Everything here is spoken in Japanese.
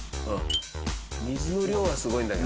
水の量はすごいんだけど。